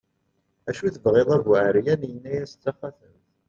acu tebɣiḍ a bu ɛeryan, yenna-as d taxatemt